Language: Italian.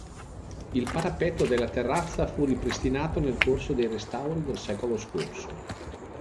Il parapetto della terrazza fu ripristinato nel corso dei restauri del secolo scorso.